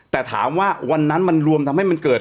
แต่ถามว่าวันนั้นมันรวมทำให้มันเกิด